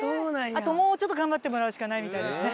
あともうちょっと頑張ってもらうしかないみたいですね。